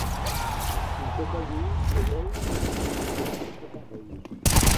Il totalise de vol sur plus de types d'appareils.